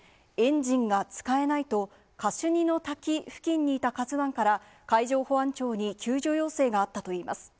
エンジンが使えないと、カシュニの滝付近にいたカズワンから、海上保安庁に救助要請があったといいます。